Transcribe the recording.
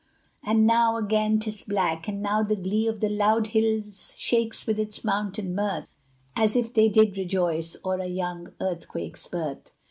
And now again 'tis black and now the glee Of the loud hills shakes with its mountain mirth, As if they did rejoice o'er a young earthquake's birth.